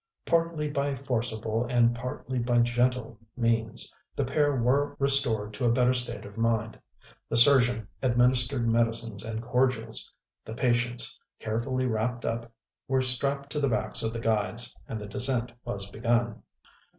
Partly by forcible, and partly by gentle means, the pair were restored to a better state of mind. The surgeon administered medicines and cordials; the patients, carefully wrapped up, were strapped to the backs of the guides; and the descent was begun.